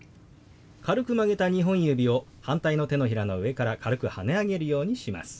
軽く曲げた２本指を反対の手のひらの上から軽くはね上げるようにします。